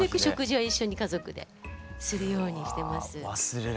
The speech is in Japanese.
はい。